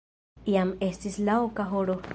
Jam estis la oka horo.